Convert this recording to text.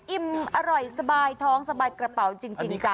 อิ่มอร่อยสบายท้องสบายกระเป๋าจริงจ้